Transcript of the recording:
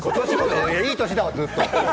いい年だわ、ずっと。